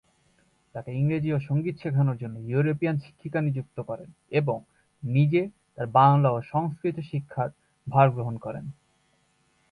তাকে ইংরেজি ও সঙ্গীত শেখানোর জন্য ইউরোপিয়ান শিক্ষিকা নিযুক্ত করেন এবং নিজে তার বাংলা ও সংস্কৃত শিক্ষার ভার গ্রহণ করেন।